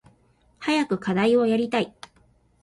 早く課題をやりたい。